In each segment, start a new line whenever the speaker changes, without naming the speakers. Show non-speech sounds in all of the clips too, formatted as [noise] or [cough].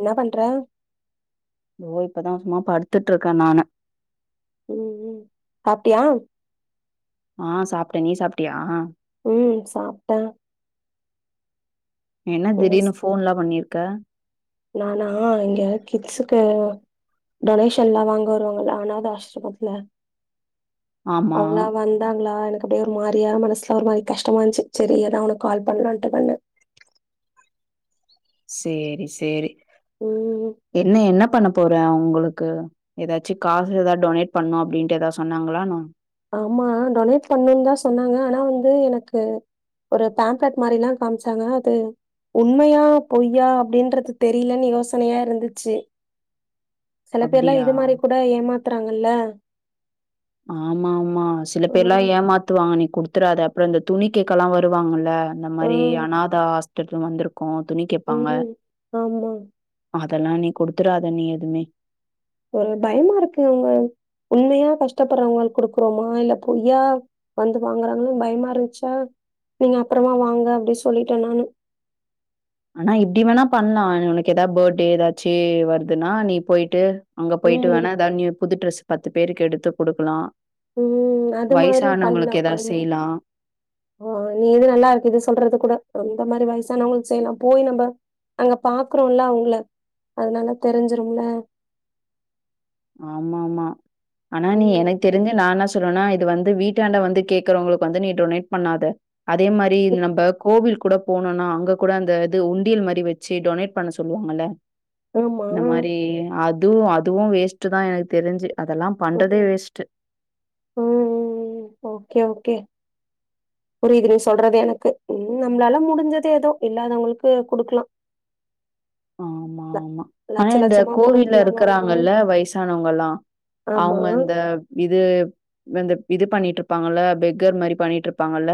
ன்னா பண்ற
வோ இப்பதா சும்மா படுத்துட்டு ருக்கே நானு
ஓ ஓ‌‌ சாப்ட்டியா
ஆ சாப்ட்டே நீ சாப்ட்டியா
ம் சாப்ட்டே
என்ன திடீர்னு ஃபோன்லா பண்ணிருக்க
நானா இங்க கிட்ஸுக்கு டொனேஷன்லாம் வாங்க வருவாங்கள்ல அனாத ஆஷ்ரமத்துல
ஆமா
அவ்ங்ளா வந்தாங்ளா எனக் அப்டியே ஒரு மாரியா மனசுல ஒரு மாரி கஷ்டமாருந்துச்சு செரி ஏதான் ஒனக்கு கால் பண்ணலாம்ட்டு பண்ணே
செரி செரி
ம்
என்ன என்ன பண்ண போற அவ்ங்களுக்கு ஏதாச்சு காசு ஏதாவது டொனேட் பண்ணும் அப்படின்ட்டு எதாச்சு சொன்னாங்களா ன்ன
ஆமா டொனேட் பண்ணு தான் சொன்னாங்க ஆனா வந்து எனக்கு ஒரு பேம்ப்லட் மாரிலாம் காமிச்சாங்க அது உண்மையா பொய்யா அப்டின்றது தெரிலனு யோசனயாருந்துச்சு சில பேர்லாம்
அப்டியா
இது மாரி கூட ஏமாத்துறாங்கள்ல
ஆமா ஆமா சில பேர்லாம்
ம்
ஏமாத்துவாங்க நீ குடுத்துறாத அப்றொ இந்த துணி கேக்கலா வருவாங்கல அந்த மாரி
ம்
அனாத ஹாஸ்பிடல வந்திருக்கோம் துணி கேட்பாங்க
ம். ஆமா.
அதெலா நீ குடுத்துறாத நீ எதுமே
ஒரு பயமா இருக்குங்க உண்மையா கஷ்டப்படுறவங்க குடுக்குறோமா இல்ல பொய்யா வந்து வாங்கறாங்களு பயமாருந்துச்சா நீங்க அப்றமா வாங்க அப்டி சொல்லிட்டே நானு
ஆனா இப்டி வேணா பண்லா உனக்கு ஏதாது பர்த்டே ஏதாச்சு வருதுன்னா நீ போய்ட்டு அங்கே போய்ட்டு
ம்.
வேணா எதா நியூ புது ட்ரெஸ் பத்து பேருக்கு எடுத்து குடுக்லா
உம் அது மாதிரி பண்ணலாம்
ஏதாவது
ஆமா
செய்யலாம்.
ஓ நீ இது நல்லா இருக்கு இது சொல்றது கூட அந்த மாதிரி வயசானவங்களுக்கு செய்யலாம் போய் நம்ம அங்க பாக்குறோல்ல அங்கல அதனால தெரிஞ்சிரும்ல
ஆமா ஆமா ஆனா நீ
ம்.
எனக்கு தெரிஞ்சு நா என்ன சொல்றேனா இது வந்து வீட்டாண்ட வந்து கேக்றவங்களுக்கு வந்து நீ டொனேட் பண்ணாத அதே மாரி நம்ப கோவில் கூட போனோனா அங்க கூட அந்தது உண்டியல் மாரி வச் சி டொனேட் பண்ண சொல்லுவாங்கல்ல
ஆமா.
இந்த மாரி அதுவு அதுவு வேஸ்டு தா எனக்கு தெரிஞ்சு அதெல்லாம் பண்றதே வேஸ்ட்டு.
உம் ஓகே ஓகே புரிது நீ சொல்றது எனக்கு உம் நம்ளால முடிஞ்சது எதோ இல்லாதவங்ளுக்கு குடுக்லாம்
ஆமா ஆமா ஆனா
லட்ச
இந்த
லட்சமா
கோவில்ல
குடுக்கலனாலும்
இருக்றாங்கல்ல வயிசானவங்கல்லா
ஆமா
அவுங்க இந்த இது இந்த இது பண்ணிட்டு இருப்பாங்கல்ல பெக்கர் மாதிரி பண்ணிட்டு இருப்பாங்கல்ல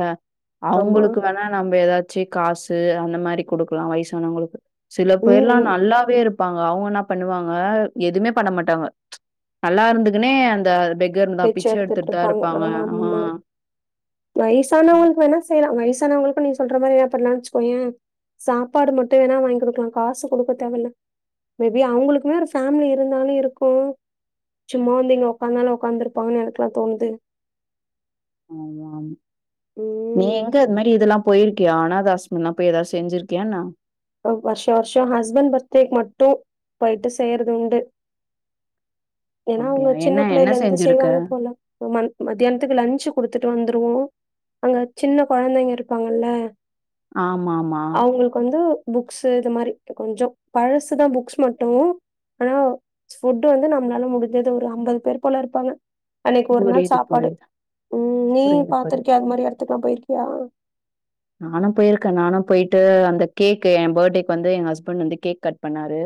ஆமா.
அவங்களுக்கு வேணா நம்ம ஏதாச்சி காசு அந்த மாரி குடுக்லா வயசானவங்களுக்கு சில
ம்,
போய்ர்லாம்
ம்.
நல்லாவே இருப் அவங்க என்ன பண்ணுவாங்க எதுவுமே பண்ண மாட்டாங்க நல்லா இருந்துக்குனே அந்த இங்க இருந்தா பிச்ச எடுத்துட்டு தா இருப்பாங்க ஆ ம்.
வயசானவங்களுக்கு வேணா செய்யலா வயசானவங்களுக்கும் நீ சொல்ற மாரி ஏதாவது பண்லானு வச்சுக்கோயே சாப்பாடு மட்டு வேணா வாங்கி குடுக்லா காசு குடுக்க தேவல்ல மேபி அவங்களுக்குமே ஒரு பேமிலி இருந்தாலும் இருக்கும் சும்மா வந்து இங்க உக்காந்தாலும் உக்காந்து இருப்பாங்கன்னு எனக்கு எல்லாம் தோணுது
உம் நீ
ம்.
எங்க அது மாதிரி இதெல்லாம் போயிருக்கியா ஆனாதா ஆஸ்ரமுலாம் போய் ஏதோ செஞ்சிருக்கியா என்ன
வருஷோ வருஷோ ஹஸ்பண்ட் பர்த்டேக்கு மட்டும் போய்ட்டு செய்றதுண்டு ஏன்னா அவங்க
அப்படியா?
சின்ன
என்ன என்ன
பிள்ளைல இருந்து
செஞ்சிருக்க?
செய்வாங்க போல மந் மத்தியானத்துக்கு லன்ச்சு குடுத்துட்டு வந்துருவோ அங்க சின்ன குழந்தைங்க இருப்பாங்கல்ல
ஆமாமா.
அவுங்களுக்கு வந்து புக்ஸ் இது மாரி கொஞ்சொ பழசு தா புக்ஸ் மட்டு ஆனா ஃபுட் வந்து நம்மளால முடிஞ்சது ஒரு ஐம்பது பேர் போல இருப்பாங்க அன்னைக்கு ஒரு நாள்
புரியுது,
சாப்பாடு
புரியுது,
உம் நீ
புரியுது, புரியுது.
பாத்திருக்கியா அது மாரி இடத்துக்கலா போயிருக்கியா
நானும் போயிருக்கேன் நானும் போயிட்டு அந்த கேக் என் பர்த்டேக்கு வந்து எங்க ஹஸ்பண்ட் வந்து கேக் கட் பண்ணாரு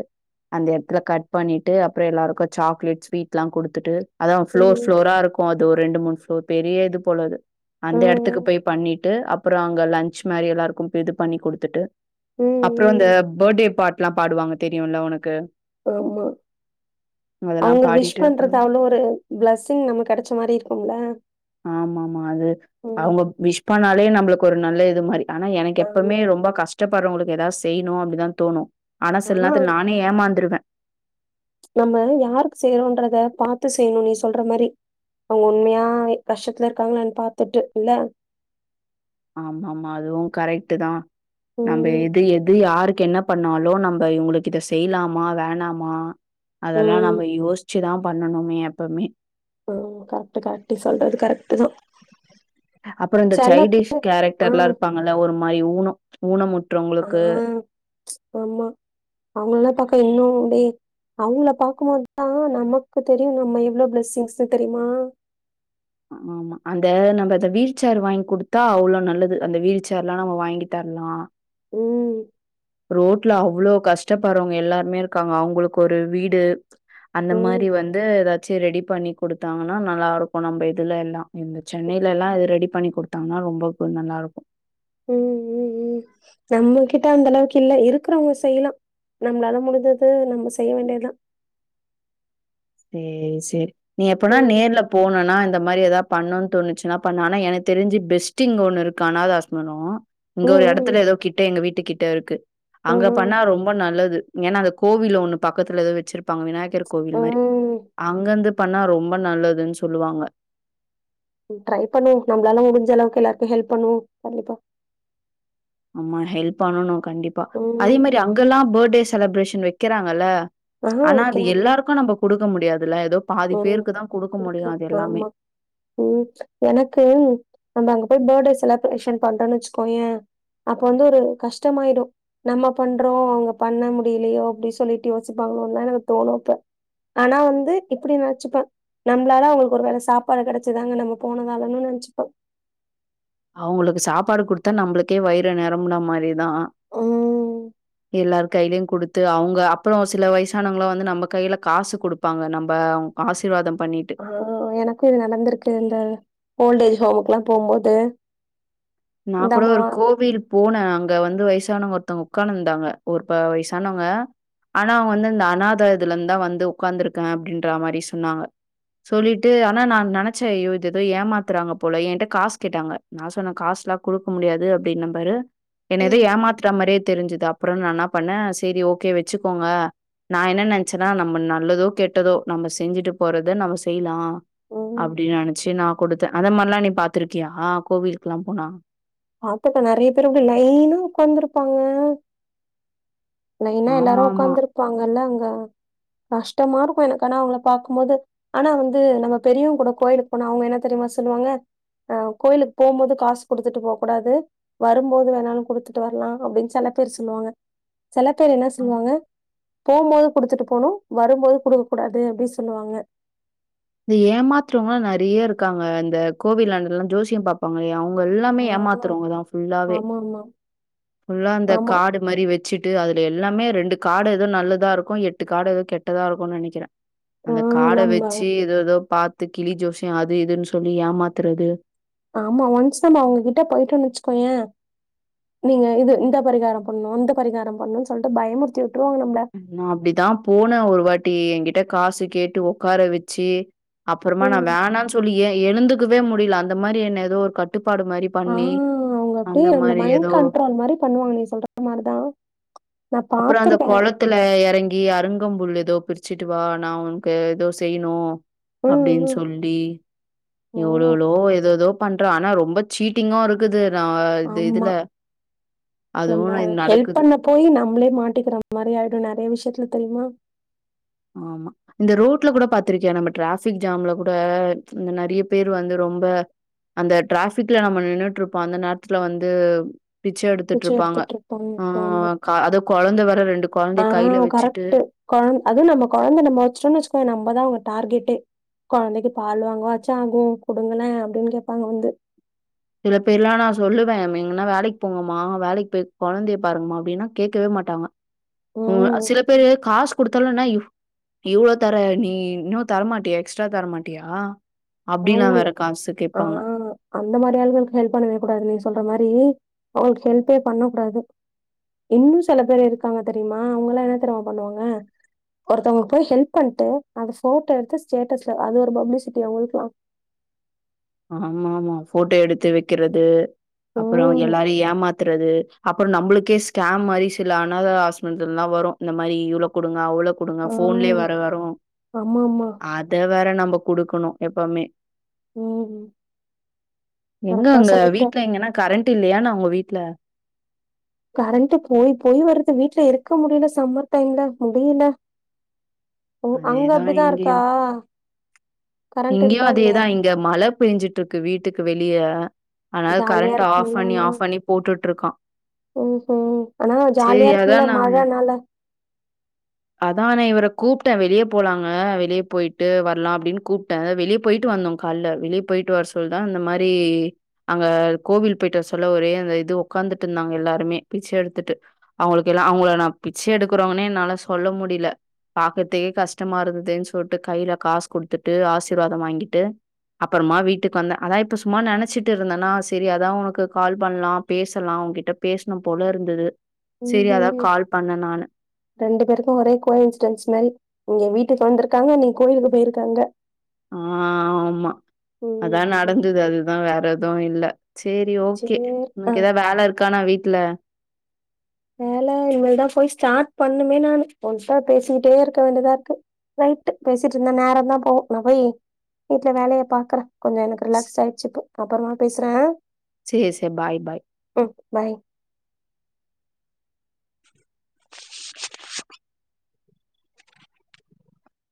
அந்த இடத்துல கட் பண்ணிட்டு அப்றோ எல்லாருக்கும் சாக்லேட் ஸ்வீட் எல்லாம் குடுத்துட்டு அதா ஃப்ளோர்
ம்.
ஃப்ளோரா இருக்கும் அது ஒரு ரெண்டு மூணு ஃப்ளோர் பெரிய இது போல இது அந்த எடத்துக்கு
ம்.
போய் பண்ணிட்டு அப்றோ அங்க லன்ச் மாரி எல்லாருக்கு இது பண்ணி குடுத்துட்டு
ம்.
அப்றோ அந்த
ம்.
பட்டே பாட்லா பாடுவாங்க தெரியுல்ல உனக்கு
ஆமா
அதெல்லாம்
அவுங்க விஷ்
பாடிட்டு
பண்றது
அப்புறம்
அவ்ளோ ஒரு பிளஸ்ஸிங் நம்ம கெடைச்ச மாரி இருக்கும்ல
ஆமா ஆமா அது
ம்.
அவ்ங்க விஷ் பண்ணாலே நம்மளுக்கு ஒரு நல்ல இது மாரி ஆனா எனக்கு
ஆமா.
எப்பமே ரொம்ப கஷ்டப்படுறவங்களுக்கு ஏதாது செய்ணு அப்டிதா தோணு ஆனா சில நேர்த்துல நா னே ஏமாந்துருவ
நம்ம யாருக்கு செய்யறோன்றத பாத்து செய்ணு‌நீ சொல்ற மாரி அவங்க உண்மையா கஷ்டத்துல இருக்காங்களான் பாத்துட்டு இல்ல
ஆமா ஆமா அதுவு கரெக்ட் தா நம்ப
ம்.
எது எது யாருக்கு என்னப் பண்ணாலு நம்ம இவுங்களுக்கு இத செய்யலாமா வேணாமா அதெல்லா
ம்.
நம்ம யோஸ்ச்சி தா பண்ணணுமே எப்பமே
ஆ கரெக்ட் கரெக்ட் சொல்றது கரெக்ட்டு தா
அப்புறோ இந்த சைடிஷ்
ஆ,
கேரக்டர் ல்லாம் இருப்பாங்கல்ல ஒரு மாதிரி ஊனம் ஊன முற்றவங்க
ஆஹ் ஆமா அவங்கல்லா‌ பக்க இன்னு அப்டே அவ்ங்கள பாக்கும்போதுதா நமக்கு தெரியும் நம்ம எவ்ளோ பிளஸ்ஸிங்ஸ்ன்னு தெரிமா
ஆமா ஆமா அந்த நம்ம அத வீல்ச்சேறு வாங்கி குடுத்தா அவ்ளோ நல்லது அந்த வீல்ச்சேறு ல்லா நம்ம வாங்கி தர்லா
ம்.
ரோட்ல அவ்ளோ கஷ்ட் கஷ்டப்படுறவங்க எல்லாருமே இருக்காங்க அவ்ங்களுக்கு ஒரு வீடு அந்த
ம்.
மாரி வந்து எதா ச்சி ரெடி பண்ணி குடுத்தாங்கன்னா நல்லா இருக்கு நம்ப இதுல எல்லா இந்த சென்னைலல்லா இது ரெடி பண்ணி குடுத்தாங்கன்னா ரொம்ப நல்லா இருக்கு
ம் ம் ம் நம்ம கிட்ட அந்தளவுக்கில்ல இருக்குறவங்க செய்லா நம்மளால முடிஞ்சது நம்ம செய்ய வேண்டியத்தா
சேர் சேரி நீ எப்பனா
ம்.
நேர்லப் போனனா இந்த மாரி ஏதா பண்ணுனு தோணுச்சுனா பண்ண ஆனா எனக்கு தெரிஞ்சு பெஸ்ட்டிங் ஒண்ணிருக்கு அநாதாஆஸ்சமரோ இங்கொரு
ம்.
எடத்துல ஏதோ கிட்ட எங்க வீட்டு கிட்டருக்கு
ம்.
அங்க
ம்.
பண்ணா ரொம்ப நல்லது ஏன்னா அந்த கோவில்ல ஒண்ணு பக்கத்துல ஏதோ வெச்சிருப்பாங்க விநாயகர் கோவில் மாரி
ம்.
அங்கருந்து பண்ணா ரொம்ப நல்லதுன் சொல்லுவாங்க
ட்ரை பண்ணு நம்ளால முடிஞ்சளவுக்கு எல்லாருக்கு ஹெல்ப் பண்ணுவொ கண்டிப்பா
ஆமா ஹெல்ப் பண்ணணு கண்டிப்பா அதே
ம்.
மாதிரி அங்கல்லா பாஃட்டே செலிப்ரேஷன் வெக்கிறாங்கல்ல
ஆ,
ஆனா அது
வைக்கிறாங்க.
எல்லாருக்கு நம்ப குடுக்க முடியாதுல்ல ஏதோ பாதி
ம்.
பேருக்கு தா குடுக்க முடியு
புடிக்கு
அது எல்லாமே
ஆமா ம் எனக்கு நம்ம அங்க போய் பர்த்டே செலப்ரேஷன் பண்றன் வெச்சுக்கோயே அப்ப வந்து ஒரு கஷ்டமாய்டு நம்ம பண்றோ அவங்க பண்ண முடியலையோ அப்டி சொல்லிட்டு யோசிப்பாங்களோன் தா எனக்கு தோணு அப்ப ஆனா வந்து இப்டி நெனச்சுப்பே நம்ளால அவுங்ளுக் ஒரு வேல சாப்பாடு கெடச்சிதா நாங் அங்க போனதாலன்னு நெனைச்சுப்பே
அவுங்ளுக்கு சாப்பாடு குடுத்தா நம்ளுக்கே வயிறு நெரம்புன மாரி தா
ம்
எல்லாரு கையிலியு குடுத் டு அவங்க அப்புறோ சில வயசானவங்களா வந்து நம்ம கையில காசு குடுப்பாங்க நம்ப ஆசிர்வாதோ பண்ணிட்டு
அ எனக்கு இது நடந்திருக்கு இந்த ஓல்ட ஏஜ் ஹோமுக்குல்லா போம்போது
நா கூட
இந்தாமா
ஒரு கோவில் போன அங்க வந்து வயசானவங்க ஒருத்தவங்க உக்கார்ந்துர்ந்தாங்க ஒரு வயசானவங்க ஆனா அவுங் வந்துந்த அநாததுல ந்தா வந்து உக்காந்துருக்க அப்டின்ற மாரி சொன்னாங்க சொல்லிட்டு ஆனா நா நெனைச்சே ஐயோ இத ஏதோ ஏமாத்துறாங்க போல என்கிட்ட காஸ் கேட்டாங்க நா சொன்ன காஸ் குடுக்க முடியாது அப்டின் பாரு என்ன ஏதோ
ம்
ஏமாத்தற மாதிரி தெரிஞ்சதா அப்புறம் நா என்னா பண்ணே சரி ஓகே வெச்சுக்கோங்க நா என்ன நென்ச்சேன்னா நம்ப நல்லதோ கெட்டதோ நம்ம செஞ்சுட்டுப் போறது நம்ம செய்லா
ம்
அப்டின் நெனைச்சு நா குடுத்த அந்த மாரிலா நீ பாத்துருக்கியா கோவிலுக்குல்லா போனா
பாத்துக்க நெறைய பேரு அப்டி லைனா உக்கார்ந்து இருப்பாங்க லைன்னா எல்லாரு
ஆமாமா.
உக்காந்துருப்பாங்கள்ல அங்க கஷ்டமா இருக்கு எனக்கான அவுங்கள பாக்கும்போது ஆனா வந்து நம்ம பெரிவங்கூட கோயிலுக்கு போனா அவுங்க என்ன தெரியுமா சொல்லுவாங்க ஆ கோயிலுக்கு போம்போது காசு குடுத்துட்டு போக கூடாது வரும் போது வேணாலு குடுத்துட்டு வரலா அப்டின்னு செல பேர் சொல்லுவாங்க செல பேர் என்னா
அ
சொல்லுவாங்க போம்போது குடுத்துட்டு போணு வரும்போது குடுக்க கூடாது அப்டி சொல்லுவாங்க
இந்த ஏமாத்துறவங்கலா நெறைய இருக்காங்க இந்த கோவில் [unintelligible] டெல்லாம் ஜோசியம் பா ப்பாங்கலே அவுங்க எல்லாமே
ஆ
ஏமாத்துறவங்கதா ஃபுல்லாவே
ஆமாமா.
ஃபுல்லா இந்த
ஆமா.
காடு மாரி வெச்சிட்டு அதுல எல்லாமே ரெண்டு காடு எது நல்லதா இருக்கு எட்டு காடு எதோ கெட்டதா இருக்கு நெனைக்கிறே
ஆ
அந்த காட
நம்ம
வெச்சி எதே தோ பாத்து கிளி ஜோஸ்யோ அது இதுன்னு சொல்லி ஏமாத்துறது
ஆமா ஒன்ஸ் நம்ம அவுங்ககிட்ட போயிட்டோ வெச்சிக்கோயே நீங்க இது இந்தப் பரிகாரோ பண்ணு அந்தப் பரிகாரோ பண்ணுன் சொல்ட்டு பயமுறுத்தி உட்டுருவாங்க நம்ள
நா அப்டிதா போனே ஒரு வாட்டி எங்கிட்ட காசு கேட்டு ஒக்கார வெச்சி அப்புறமா நா
ம்.
வேணான் சொல்லி எ எழுந்துக்கவே முடியல அந்த மாரி என்ன எதோ ஒரு கட்டுப்பாடு மாரி
ஆ
பண்ணி
அவுங்க
அந்த
அப்டியே உங்க
மாரி
மைண்ட்
ஏதோ
கண்ட்ரோல் மாரி பண்ணுவாங்க நீ சொல்ற மாரிதா நா பாத்துருக்கே
கொளத்துல எறங்கி அருங்கம்புல் எதோ பிரிச்சிட்டு வா நா உன்கு எதோ செய்ணு
ம்
அப்டின்
ம்
சொல்லி
ஓ
எவ்ளவு எவ்ளவோ எதோ தோ பண்றா ஆனா ரொம்ப சீட் டிங்கு இருக்குது நா இத்
ஆமா
இதுல அதுவு இ நடக்குது
போயி நம்மளே மாட்டிக்கிற மாரி ஆயிடு நெறைய விஷயத்துல தெரிமா
ஆமா இந்த ரோட்ல கூட பாத்திருக்கியா நம்ம டிராபிக் ஜாம்ல கூட இந்த நெறைய பேர் வந்து ரொம்ப அந்த டிராபிக்ல நம்ம நின்னுட்ருப்போ அந்த நேரத்துல வந்து பிச்ச எடுத்துட்ருப்பாங்க
எடுத்துட்டு இருப்பாங்க
ஆ
இப்ப ஆமா
க அது கொழந்த வேற ரெண்டு கொழந்தய கைய்ல வெச்சிட்டு
கொழ அது நம்ம கொழந்த நம்ம வெச்சிடோனு வெச்சிக்கோ நம்மதா அவுங்க டார்கெட்டே கொழந்தைக்கு பால் வாங்குவாச்சு ஆகு குடுங்கலே அப்டின் கேப்பாங்க வந்து
சில பேர்ல்லா நா சொல்லுவே எங்கன்னா வேலைக்கு போங்கம்மா வேலைக்கு போய் கொழந்தைய பாருங்கமா அப்டின்னா கேக்கவே மாட்டாங்க ம் சில பேரு காஸ் குடுத்தாலு என்ன இவ்ளோ தர நீ இன்னு தரமாட்டியா எக்ஸ்ட்ரா தரமாட்டியா அப்டிலா
அவங்கள்
வேற காசு
ஆ
கேப்பாங்க
அந்த மாரி ஆளுகளுக்கு ஹெல்ப் பண்ணவே கூடாது நீ சொல்ற மாரி அவுங்களுக்கு ஹெல்ப்பே பண்ண கூடாது இன்னு செல பேர் இருக்காங்க தெரிமா அவுங்கல்லா என்ன தெரிமா பண்ணுவாங்க ஒருத்தவங்கள்க்குப் போய் ஹெல்ப் பண்ட்டு அத ஃபோட்டோ எடுத்து ஸ்டேட்டஸ்ல அது ஒரு பப்ளிசிட்டி அவுங்களுக்லா
ஆமாமா போட்டோ எடுத்து வெக்கிறது அப்றோ
ம்.
எல்லாரை ஏமாத்துறது அப்றோ நம்ளுக்கே ஸ்கேம் மாரி சில அனாத ஆஸ்மின்த்லருந்துலா வரு இந்த மாரி இவ்ளோ குடுங்க அவ்ளோ குடுங்க
ஆ.
ஃபோன்லயே வேற வரு
ஆமாமா.
அத வேற நம்ம குடுக்கணு எப்பவ்மே
ஓ
எங்க அங்க வீட்ல எங்கன்னா கரண்ட் இல்லையானா உங்க வீட்ல
கரண்ட் போய் போய் வருது வீட்ல இருக்க முடில சம்மர் டைம்ல முடியில உ அங்க
அதேதான்
அப்டிதா இருக்கா கரண்ட்
இங்கியு
இருக்கா இல்லையா?
அதேதா இங்க மழப் பேன்ஞ்சிட்ருக்கு வீட்டுக்கு வெளிய அதுனால
ஜாலியா
கரண்ட் ஆஃப்
இருக்கும்ல
பண்ணி ஆஃப் பண்ணி போட்டுட்டுருக்கா
ம் ம் ஆனா ஜாலியா இருக்கும்ல
அதான்
மழனால
அதா நா இவர கூப்ட்டே வெளிய போலாங்க வெளிய போயிட்டு வரலா அப்டின் கூப் ட வெளியே போயிட் வந்தோ கால்ல வெளியே போயிட்டு வர சொல் தா இந்த மாரி அங்க கோவில் போயிட் வர சொல்லோ ஒரே அந்த இது உக்காந்துட்டு இருந்தாங்க எல்லாருமே பிச்ச எடுத்துட்டு அவங்களுக்கெல்லா அவுங்கள நா பிச்ச எடுக்குறவங்கனே என்னால சொல்ல முடில பாக்குத்தே கஷ்டமா இருக்குதுன் சொல்ட்டு கையில காசு குடுத்துட்டு ஆசீர்வாதம் வாங்கிட்டு அப்புறமா வீட்டுக் வந்த அதா இப்ப சும்மா நினச்சிட் இருந்தனா சேரி அதா உனக்கு கால் பண்லா பேசலா உகிட்ட பேசனு போல இருந்தது சேரி அதா கால் பண்ண நானு
ரெண்டு பேருக்கும் ஒரே கோ இன்சிடன்ட்ஸ் மரி இங்க வீட்டுக்கு வந்திருக்காங்க நீ கோயிலுக்கு போயிருக்கா அங்க
ஆமா அதா
ம்.
நடந்தது அதுதா வேற எதுவு இல்ல சேரி ஓகே
சரி. ஆ.
உனக் எதா வேல இருக்கானா வீட்ல
வேல இனிமேல் தா போய் ஸ்டார்ட் பண்ணுமே நானு ஒன்கிட்டா பேசிட்டே இருக்க வேண்டிதா இருக்கு ரைட் பேசிட் இருந்தா நேரம் தா போவும் நா போய் வீட்டுல வேலய பாக்கற கொஞ்சோ எனக் ரிலாக்ஸ் ஆயிச்சி இப்போ அப்றமா பேசுற
சே சே பாய் பாய்
ம் பாய்